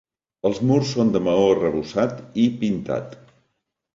Els murs són de maó arrebossat i pintat.